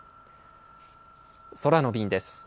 空の便です。